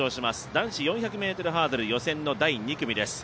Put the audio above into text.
男子４００ｍハードル予選の第２組です。